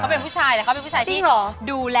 ขอบคุณค่ะจริงหรอ